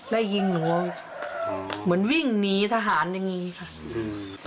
ได้ยิงหนูเหมือนวิ่งหนีทหารอย่างงี้ค่ะอืม